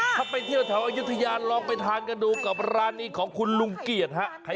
ถ้าไปเที่ยวแถวอายุทยาลองไปทานกันดูกับร้านนี้ของคุณลุงเกียรติฮะ